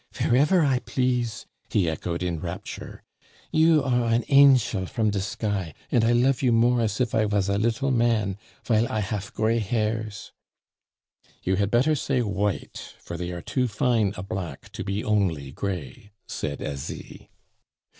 "Verever I please!" he echoed in rapture. "You are ein anchel from de sky, and I lofe you more as if I was a little man, vile I hafe gray hairs " "You had better say white, for they are too fine a black to be only gray," said Asie.